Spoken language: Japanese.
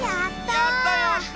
やった！